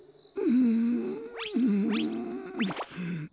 うん。